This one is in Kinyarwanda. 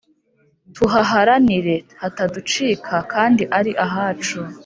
Tuhaharanire hataducika kandi ari ahacu